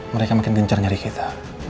mereka makin gencar nyari kita